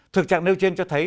thực trạng nêu trên cho thấy